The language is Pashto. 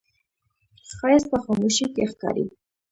ښایست په خاموشۍ کې ښکاري